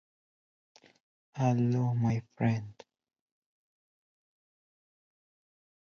The song features Mickey Thomas and Grace Slick sharing lead vocals.